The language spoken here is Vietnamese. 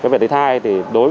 về tế thai